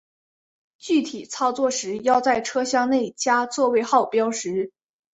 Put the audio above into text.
具体操作时要在车厢内加座位号标识。